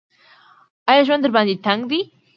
ایا ژوند درباندې تنګ دی ؟